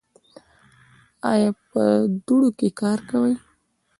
ایا په دوړو کې کار کوئ؟